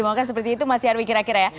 maka seperti itu mas yarwi kira kira ya